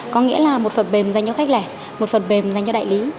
có nghĩa là một phần mềm dành cho khách lẻ một phần mềm dành cho đại lý